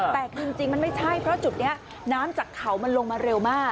แต่คือจริงมันไม่ใช่เพราะจุดนี้น้ำจากเขามันลงมาเร็วมาก